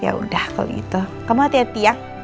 ya udah kalau gitu kamu hati hati ya